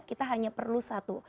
kita hanya perlu satu